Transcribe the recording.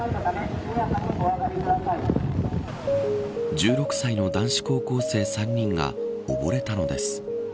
１６歳の男子高校生３人が溺れたのです。